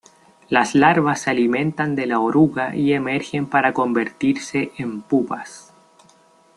Las larvas se alimentan de la oruga y emergen para convertirse en pupas.